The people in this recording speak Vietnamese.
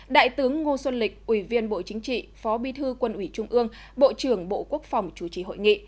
đại tướng ngô xuân lịch ủy viên bộ chính trị phó bi thư quân ủy trung ương bộ trưởng bộ quốc phòng chủ trì hội nghị